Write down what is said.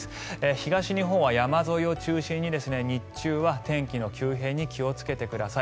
東日本は山沿いを中心に日中は天気の急変に気をつけてください。